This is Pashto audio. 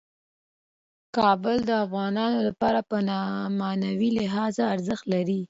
کابل د افغانانو لپاره په معنوي لحاظ ارزښت لري.